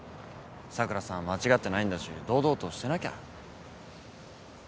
桜さん間違ってないんだし堂々としてなきゃ。